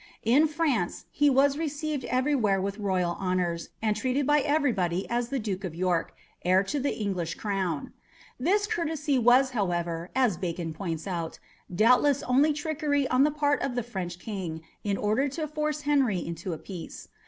In France he was received everywhere with royal honours, and treated by everybody as the Duke of York, heir to the English crown. This courtesy was, however, as Bacon points out, doubtless only trickery on the part of the French king in order to force Henry into a peace.